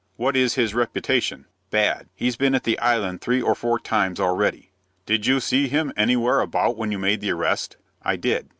"What is his reputation?" "Bad. He's been at the Island three or four times already." "Did you see him anywhere about when you made the arrest?" "I did."